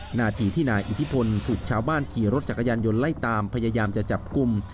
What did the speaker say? หน้าที่ที่นายอิทธิพลถูกชาวบ้านขี่รถจักรยานยนต์ไล่ตามพยายามจะจับกลุ่ม